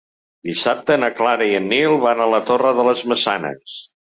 Dissabte na Clara i en Nil van a la Torre de les Maçanes.